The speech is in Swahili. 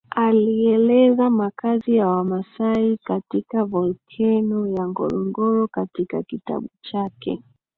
Alieleza makazi ya wamasai katika volkeno ya Ngorongoro katika kitabu chake